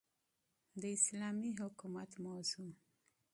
داسلامي حكومت موضوع